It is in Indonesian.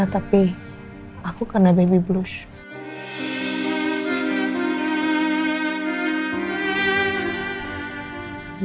tapi aku kena baby blush